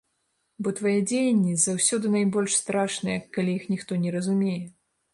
Бо твае дзеянні заўсёды найбольш страшныя, калі іх ніхто не разумее.